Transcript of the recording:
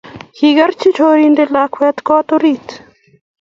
Kikerchi chorindet lakwet kot orit